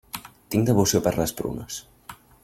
Tinc devoció per les prunes.